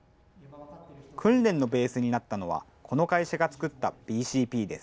訓練のベースになったのは、この会社が作ったＢＣＰです。